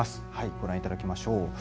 ご覧いただきましょう。